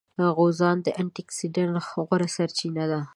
غوزان د انټي اکسیډېنټ غوره سرچینه ده.